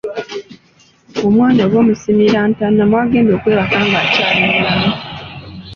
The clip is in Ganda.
Omwana oba omusimira ntaana mwagenda okwebaka ng'akyali mulamu.